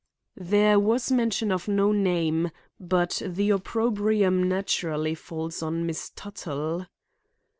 "There was mention of no name; but the opprobrium naturally falls on Miss Tuttle."